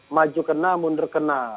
maju kena mundur kena